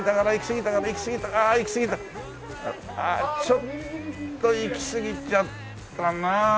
ちょっと行き過ぎちゃったなあ。